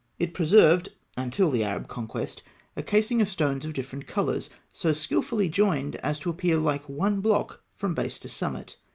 It preserved, until the Arab conquest, a casing of stones of different colours (Note 20), so skilfully joined as to appear like one block from base to summit.